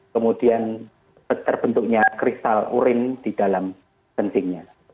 kemudian terbentuknya kristal urin di dalam kencingnya